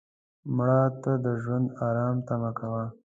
مړه ته د ژوند آرام تمه کوو